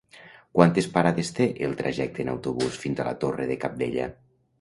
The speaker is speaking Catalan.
Quantes parades té el trajecte en autobús fins a la Torre de Cabdella?